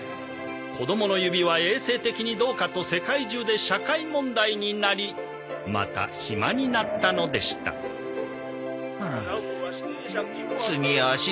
子供の指は衛生的にどうかと世界中で社会問題になりまた暇になったのでしたはあ。